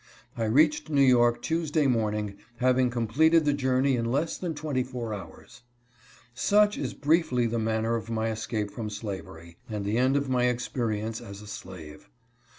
I reached New York Tuesday morning, having completed the journey in less than twenty four hours. Such is briefly the manner of my escape from slavery — and the end of my experience as a slave.